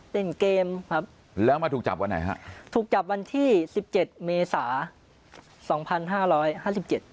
เล่นเกมครับแล้วมาถูกจับวันไหนฮะถูกจับวันที่สิบเจ็ดเมษาสองพันห้าร้อยห้าสิบเจ็ด